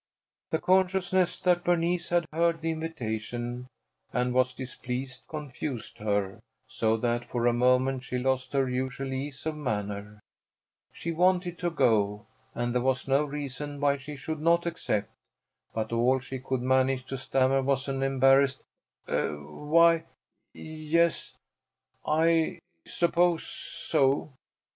The consciousness that Bernice had heard the invitation and was displeased, confused her so that for a moment she lost her usual ease of manner. She wanted to go, and there was no reason why she should not accept, but all she could manage to stammer was an embarrassed, "Why, yes I suppose so."